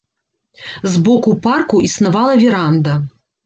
З боку парку існавала веранда.